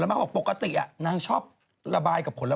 แล้วใครล่ะทั้งนั้นใครล่ะ